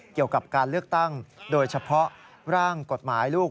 เกี่ยวกับการเลือกตั้งโดยเฉพาะร่างกฎหมายลูก